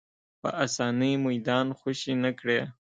په اسانۍ میدان خوشې نه کړي